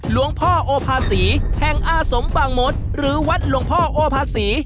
หลวงพ่อโอภาษีแห่งอาสมบางมศหรือวัดหลวงพ่อโอภาษี